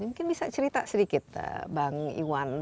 mungkin bisa cerita sedikit bang iwan mengenai ini karakter dari